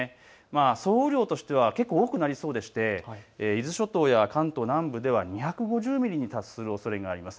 総雨量としては結構多くなりそうで伊豆諸島や関東南部では２５０ミリに達するおそれがあります。